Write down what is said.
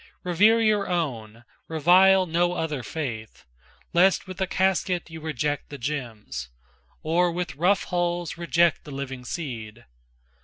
Revere your own, revile no other faith, Lest with the casket you reject the gems, Or with rough hulls reject the living seed.